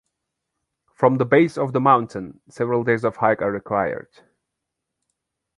From the base of the mountain several days of hike are required.